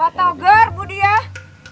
pak togar bu diah